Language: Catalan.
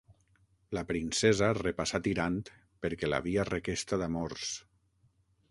La princesa repassà Tirant perquè l'havia requesta d'amors.